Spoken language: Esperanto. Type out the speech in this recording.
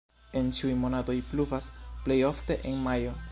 En ĉiuj monatoj pluvas, plej ofte en majo.